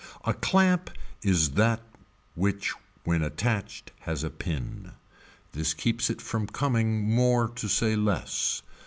A clamp is that which when attached has a pin. This keeps it from coming more to say less.